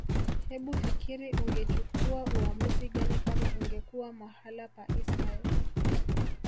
Hebufikiri ungechukua uamuzi gani kama ungekuwa mahala pa ismail